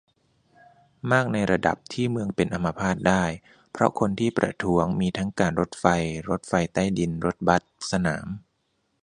มากในระดับที่เมืองเป็นอัมพาตได้ เพราะคนที่ประท้วงมีทั้งการรถไฟ รถไฟใต้ดิน รถบัส สนาม